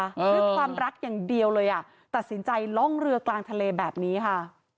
ด้วยความรักอย่างเดียวเลยอ่ะตัดสินใจล่องเรือกลางทะเลแบบนี้ค่ะ